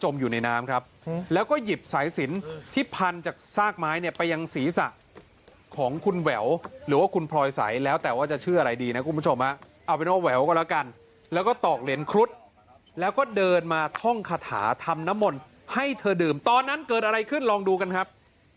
หยิบสายสินที่พันจากซากไม้เนี่ยไปยังศีรษะของคุณแหววหรือว่าคุณพลอยใสแล้วแต่ว่าจะชื่ออะไรดีนะคุณผู้ชมเอาเป็นว่าแหววก็แล้วกันแล้วก็ตอกเหรียญครุฑแล้วก็เดินมาท่องคาถาทำน้ำมนต์ให้เธอดื่มตอนนั้นเกิดอะไรขึ้นลองดูกันครับ